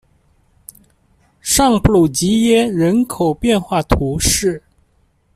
尚普鲁吉耶人口变化图示